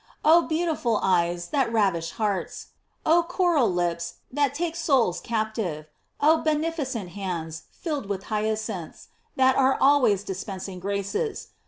Oh beauti ful eyes, that ravish hearts! Oh coral lips, that take souls captive! Oh beneficent hands, filled with hyacinths, that are always dispensing graces.